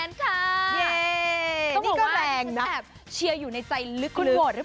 ต้องบอกว่าอันนี้แบบเชียร์อยู่ในใจลึก